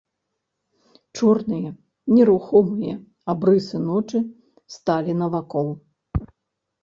Чорныя нерухомыя абрысы ночы сталі навокал.